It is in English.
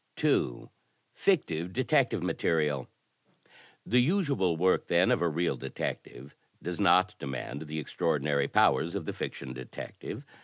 2. Fictive Detective Material The usual work, then, of a real detective does not demand the extraordinary powers of the fiction detective.